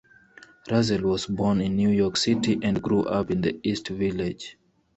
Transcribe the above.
Russell was born in New York City and grew up in the East Village.